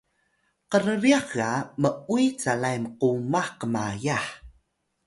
krryax ga m’uy calay mqumah qmayah